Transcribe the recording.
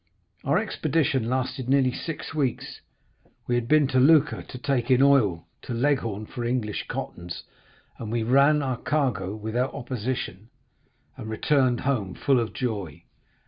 Our expedition lasted nearly six weeks; we had been to Lucca to take in oil, to Leghorn for English cottons, and we ran our cargo without opposition, and returned home full of joy.